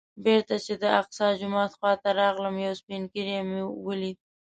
بېرته چې د الاقصی جومات خوا ته راتلم یو سپین ږیری مې ولید.